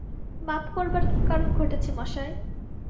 মাপ করবার কী কারণ ঘটেছে মশাই!